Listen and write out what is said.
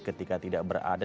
ketika tidak berada